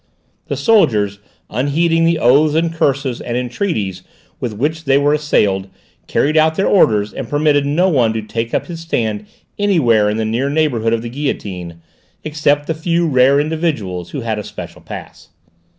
The soldiers, unheeding the oaths and curses and entreaties with which they were assailed, carried out their orders and permitted no one to take up his stand anywhere in the near neighbourhood of the guillotine, except the few rare individuals who had a special pass.